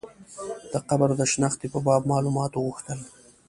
د قبر د شنختې په باب معلومات وغوښتل.